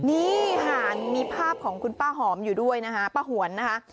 นี่ค่ะมีภาพของคุณป้าหอมอยู่ด้วยนะคะป้าหวนนะคะ